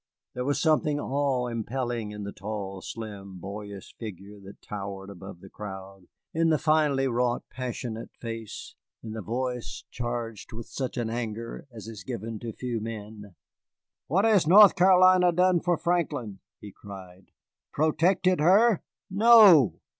There was something awe impelling in the tall, slim, boyish figure that towered above the crowd, in the finely wrought, passionate face, in the voice charged with such an anger as is given to few men. "What has North Carolina done for Franklin?" he cried. "Protected her? No.